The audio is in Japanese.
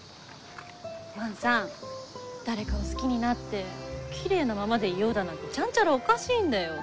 万さん誰かを好きになってきれいなままでいようだなんてちゃんちゃらおかしいんだよ。